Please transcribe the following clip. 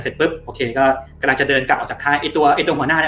ปุ๊บโอเคก็กำลังจะเดินกลับออกจากค่ายไอ้ตัวไอ้ตัวหัวหน้าเนี่ย